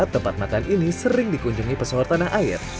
tempat makan ini sering dikunjungi pesawat tanah air